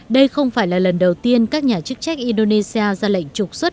đây không phải là lần đầu tiên các nhà chức trách indonesia ra lệnh trục xuất